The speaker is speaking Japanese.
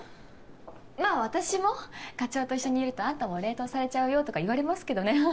まぁ私も課長と一緒にいると「あんたも冷凍されちゃうよ」とか言われますけどねアハハ。